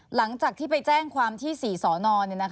หลังจากที่ไปแจ้งความที่๔สน